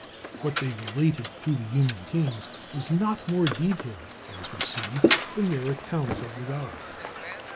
What they related of the human kings was not more detailed, as we see, than their accounts of the gods.